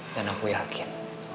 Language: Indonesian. dan aku yakin